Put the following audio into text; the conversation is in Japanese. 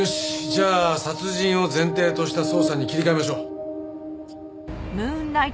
じゃあ殺人を前提とした捜査に切り替えましょう。